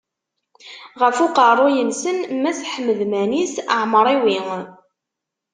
Ɣef uqerruy-nsen mass Ḥmed Manis Ɛemriwi.